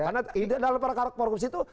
karena ide dalam hal korupsi itu